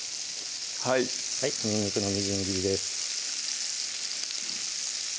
はいにんにくのみじん切りです